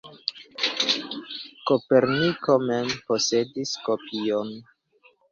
Koperniko mem posedis kopion.